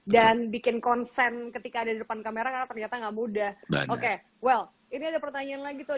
dan bikin konsen ketika ada depan kamera ternyata nggak mudah oke well ini ada pertanyaan lagi tuh